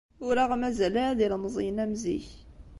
Ur aɣ-mazal ara d ilemẓiyen am zik.